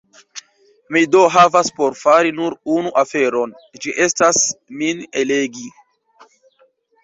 Mi do havas por fari nur unu aferon: ĝi estas, min eligi.